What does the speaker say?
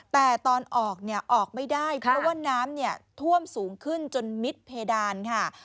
แต่ตอนออกเนี่ยออกไม่ได้เพราะว่าน้ำท่วมเนี่ยท่วมสูงขึ้นจนมิดเพดานค่ะ